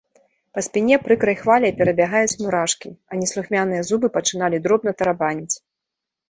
Па спіне прыкрай хваляй перабягаюць мурашкі, а неслухмяныя зубы пачыналі дробна тарабаніць.